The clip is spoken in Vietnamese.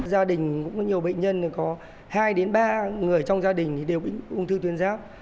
gia đình cũng có nhiều bệnh nhân có hai ba người trong gia đình đều bệnh ung thư tuyến sáp